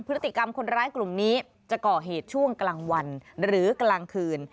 พฤติกรรมคนร้ายกลุ่มนี้จะก่อเหตุช่วงกลางวันหรือกลางคืน